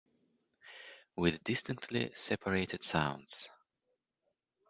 With distinctly separated sounds.